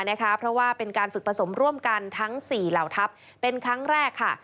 เพราะว่าเป็นการฝึกผสมร่วมกันทั้ง๔เหล่าทัพเป็นครั้งแรกค่ะ